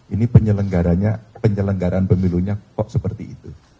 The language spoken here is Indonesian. ini penyelenggaranya penyelenggaran pemilunya kok seperti itu